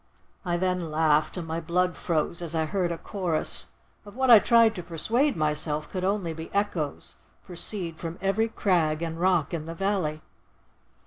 I then laughed, and my blood froze as I heard a chorus, of what I tried to persuade myself could only be echoes, proceed from every crag and rock in the valley.